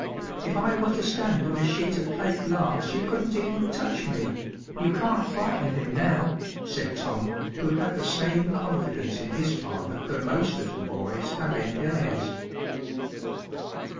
If I were to stand on a sheet of plate glass you couldn’t even touch me. You can’t frighten him now,” said Tom, who had the same confidence in his, father that most little boys have in theirs.